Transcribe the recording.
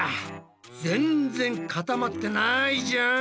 全然固まってないじゃん！